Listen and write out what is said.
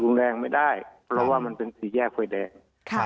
ยุ่งแรงไม่ได้เพราะว่ามันเป็นสีแยกไฟแดงครับ